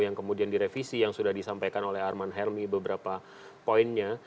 yang kemudian direvisi yang sudah disampaikan oleh arman helmi beberapa poinnya